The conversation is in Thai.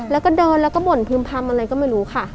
แล้วก็เดินแล้วก็บ่นพึ่มพำอะไรก็ไม่รู้ค่ะ